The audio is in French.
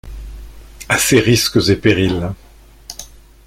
À ses risques et périls...